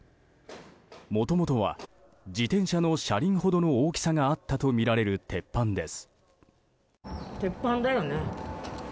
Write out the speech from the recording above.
もともとは自転車の車輪ほどの大きさがあったとみられる鉄板です。